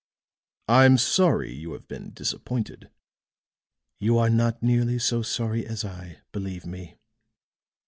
"I'm sorry you have been disappointed." "You are not nearly so sorry as I, believe me."